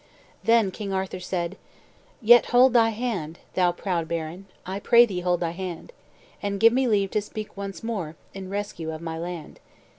Then King Arthur said: "Yet hold thy hand, thou proud baron, I pray thee hold thy hand, And give me leave to speak once more, In rescue of my land.